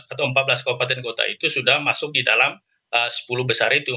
atau empat belas kabupaten kota itu sudah masuk di dalam sepuluh besar itu